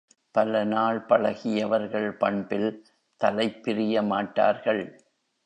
பலநாள் பழகியவர்கள் பண்பில் தலைப் பிரியமாட்டார்கள்.